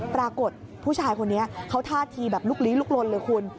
ผู้ชายคนนี้เขาท่าทีแบบลุกลี้ลุกลนเลยคุณ